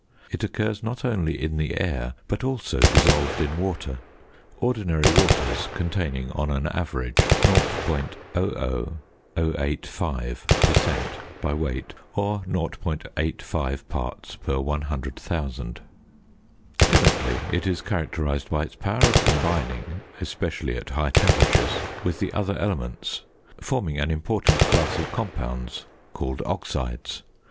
It occurs not only in the air, but also dissolved in water; ordinary waters containing on an average 0.00085 per cent. by weight, or 0.85 parts per 100,000. Chemically, it is characterised by its power of combining, especially at high temperatures, with the other elements, forming an important class of compounds called oxides.